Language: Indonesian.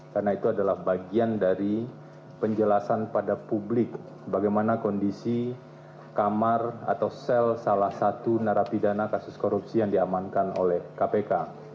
karena itu adalah bagian dari penjelasan pada publik bagaimana kondisi kamar atau sel salah satu narapidana kasus korupsi yang diamankan oleh kpk